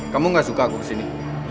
kamu gak suka aku ke sini